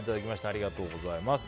ありがとうございます。